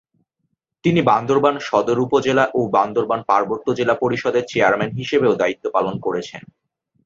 তিনি বান্দরবান সদর উপজেলা ও বান্দরবান পার্বত্য জেলা পরিষদের চেয়ারম্যান হিসেবেও দায়িত্ব পালন করেছেন।